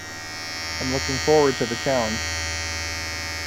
I'm looking forward to the challenge.